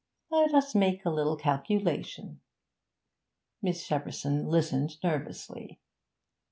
Let us make a little calculation ' Miss Shepperson listened nervously.